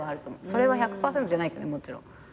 それは１００％じゃないけどもちろん。